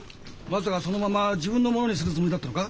まさかそのまま自分のものにするつもりだったのか？